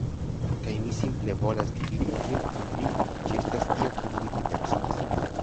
Kaj mi simple volas dividi tion kun vi ĝi estas tio kiun mi pripensas